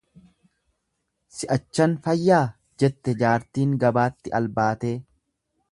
"""Si'achan fayyaa"" jette jaartiin gabaatti albaatee."